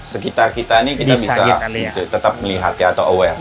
sekitar kita ini kita bisa tetap melihatnya atau aware